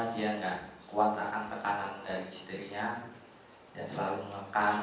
dia mengatakan kekanan dari istrinya dan selalu mengekang